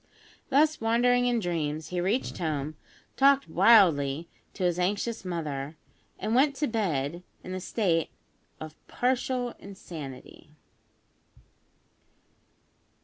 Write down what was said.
Thus wandering in dreams he reached home, talked wildly to his anxious mother, and went to bed in a state of partial insanity.